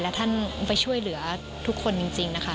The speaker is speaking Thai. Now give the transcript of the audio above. และท่านไปช่วยเหลือทุกคนจริงนะคะ